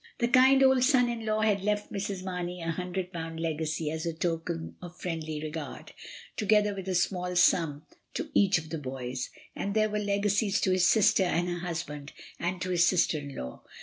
The kind old son in law had left Mrs. Mamey a hundred pound legacy as a token of friendly regard, together with a small sum to each of the bo3rsj and there were legacies to his sister and her husband, and to his sister in law.